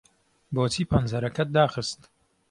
بۆچی پەنجەرەکەت داخست؟